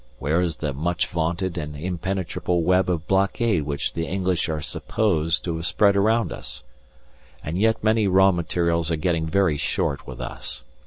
Where is the much vaunted and impenetrable web of blockade which the English are supposed to have spread around us? And yet many raw materials are getting very short with us.